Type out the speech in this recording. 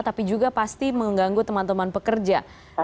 tapi juga pasti mengganggu teman teman pekerja